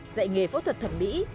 dạy nghề phẫu thuật thẩm mỹ